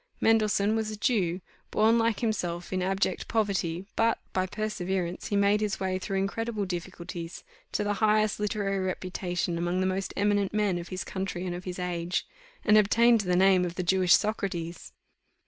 Mendelssohn was a Jew, born like himself in abject poverty, but, by perseverance, he made his way through incredible difficulties to the highest literary reputation among the most eminent men of his country and of his age; and obtained the name of the Jewish Socrates.